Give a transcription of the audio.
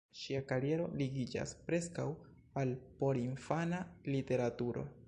Ŝia kariero ligiĝas preskaŭ al porinfana literaturo.